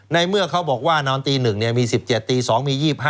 ในเมื่อเขาบอกว่านอนตี๑มี๑๗ตี๒มี๒๕